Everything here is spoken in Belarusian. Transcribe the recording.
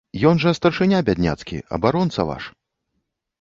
Ён жа старшыня бядняцкі, абаронца ваш.